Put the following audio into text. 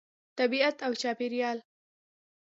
طبیعت او چاپیریال